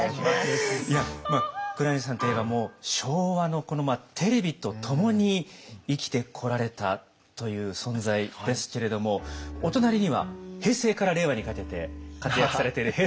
黒柳さんといえば昭和のテレビと共に生きてこられたという存在ですけれどもお隣には平成から令和にかけて活躍されているＨｅｙ！